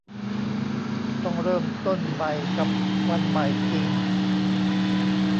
ต้องเริ่มต้นใหม่กับวันใหม่จริง